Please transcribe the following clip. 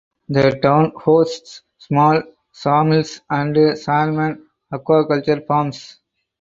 The town hosts small sawmills and salmon aquaculture farms.